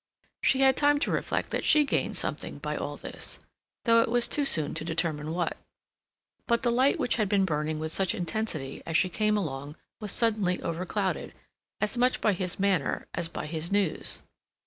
She had time to reflect that she gained something by all this, though it was too soon to determine what. But the light which had been burning with such intensity as she came along was suddenly overclouded, as much by his manner as by his news.